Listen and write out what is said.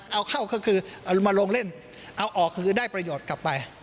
เอาเข้าก็คือเอามาลงเล่นเอาออกคือได้ประโยชน์กลับไป